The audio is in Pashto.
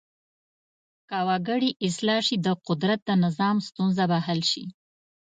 که وګړي اصلاح شي د قدرت د نظام ستونزه به حل شي.